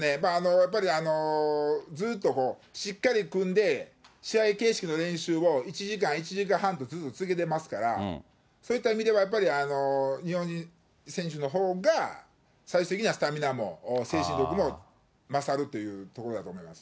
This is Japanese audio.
やっぱりずっとこう、しっかり組んで、試合形式の練習を１時間、１時間半とずっと続けてますから、そういった意味ではやっぱり、日本人選手のほうが最終的には、スタミナも精神力も勝るというところだと思います。